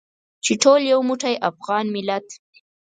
چې ټول یو موټی افغان ملت.